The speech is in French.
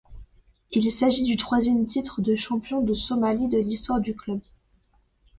Il s'agit du troisième titre de champion de Somalie de l'histoire du club.